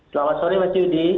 selamat sore mas yudi